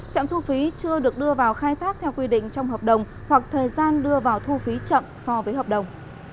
trạm thu phí chưa được đưa vào khai thác theo quy định trong hợp đồng hoặc thời gian đưa vào thu phí chậm so với hợp đồng